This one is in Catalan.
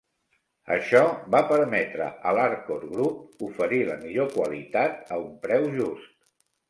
Això va permetre a l'Arcor Group oferir la millor qualitat a un preu just.